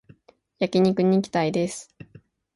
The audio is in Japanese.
焼肉に行きたいです